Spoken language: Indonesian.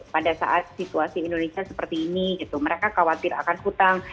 pada saat situasi indonesia seperti ini mereka khawatir akan hutang